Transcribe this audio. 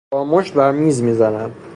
با مشت بر میز میزند.